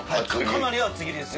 かなり厚切りです